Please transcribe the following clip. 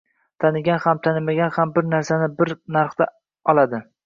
Tanigan ham tanimagan ham bir narsani bir narxda oladi.